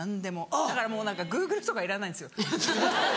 だからもう何かＧｏｏｇｌｅとかいらないんですよ。